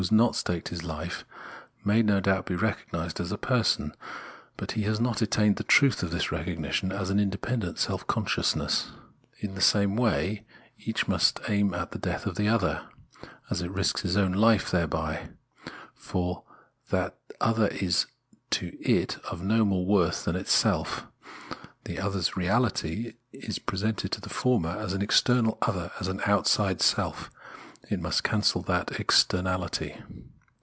s not staked his 'ife, may, no doubt, be recognised as 'a Person; but he Jias not attained the truth of this recognition as an independent self consciousness. In the same way each must aim at the death of the other, as it risks its own life thereby; for that other is to it of no more worth than itself ; the other's reality is presented to the former as an external other, as outside itself; it must cancel that externality.